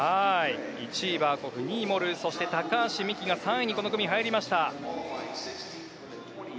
１位、バーコフ２位がモルーそして高橋美紀が３位にこの組、入りました。